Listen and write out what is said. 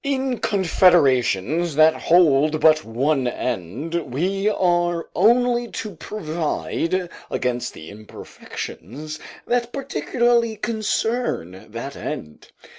In confederations that hold but by one end, we are only to provide against the imperfections that particularly concern that end.